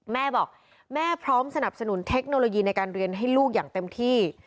แม่บอกแม่พร้อมสนับสนุนเทคโนโลยีในการเรียนให้ลูกอย่างเต็มที่